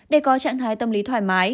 để có trạng thái tâm lý thoải mái